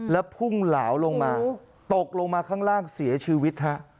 แล้วพุ่งเหลาลงมาตกลงมาข้างล่างเสียชีวิตฮะ